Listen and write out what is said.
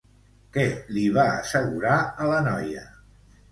Què li va assegurar a la noia?